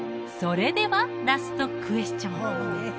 それではラストクエスチョン